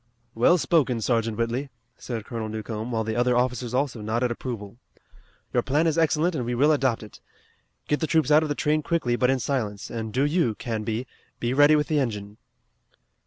"Well spoken, Sergeant Whitley," said Colonel Newcomb, while the other officers also nodded approval. "Your plan is excellent and we will adopt it. Get the troops out of the train quickly but in silence and do you, Canby, be ready with the engine."